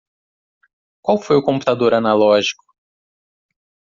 Qual foi o computador analógico?